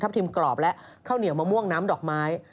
ทิมกรอบและข้าวเหนียวมะม่วงน้ำดอกไม้